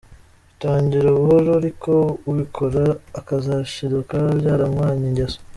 Bitangira buhoro ariko ubikora akazashiduka byaramubanye ingeso.